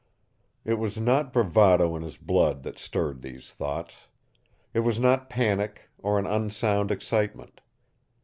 It was not bravado in his blood that stirred these thoughts. It was not panic or an unsound excitement.